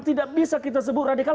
tidak bisa kita sebut radikal